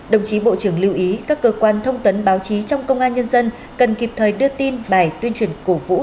đồng chí bộ trưởng lưu ý các cơ quan thông tấn báo chí trong công an nhân dân cần kịp thời đưa tin bài tuyên truyền cổ vũ